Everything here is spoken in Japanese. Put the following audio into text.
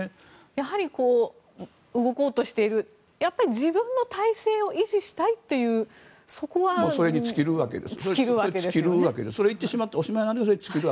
やはり動こうとしている自分の体制を維持したいというそれに尽きるわけです。